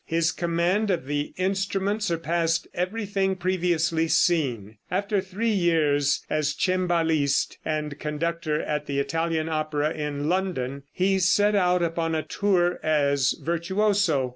His command of the instrument surpassed everything previously seen. After three years as cembalist and conductor at the Italian opera in London, he set out upon a tour as virtuoso.